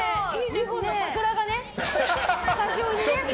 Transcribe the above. ２本の桜がね、スタジオにね。